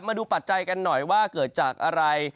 ปัจจัยกันหน่อยว่าเกิดจากอะไร